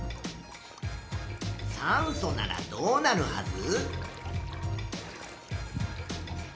酸素ならどうなるはず？